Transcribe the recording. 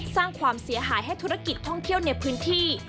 สร้างความเสียหายให้ธุรกิจท่องเที่ยวในพื้นที่